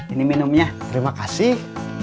ini minumnya terima kasih